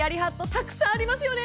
たくさんありますよね。